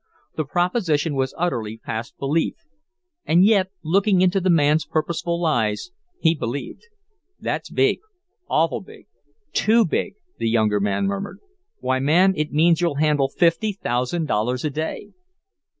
The proposition was utterly past belief, and yet, looking into the man's purposeful eyes, he believed. "That's big awful big TOO big," the younger man murmured. "Why, man, it means you'll handle fifty thousand dollars a day!"